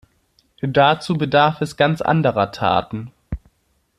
Dazu bedarf es ganz anderer Taten.